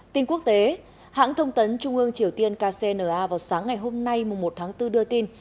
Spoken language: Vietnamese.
tin quốc tế hãng thông tấn trung ương triều tiên kcna vào sáng ngày hôm nay một tháng bốn đưa tin